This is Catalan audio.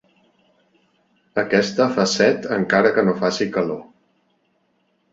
Aquesta fa set encara que no faci calor.